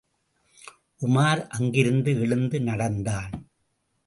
உமார் அங்கிருந்து எழுந்து நடந்தான்.